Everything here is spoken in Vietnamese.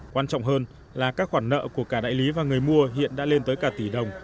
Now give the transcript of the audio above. quan trọng hơn là các khoản nợ của cả đại lý và người mua hiện đã lên tới cả tỷ đồng